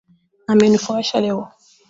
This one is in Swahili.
Amenifurahisha leo.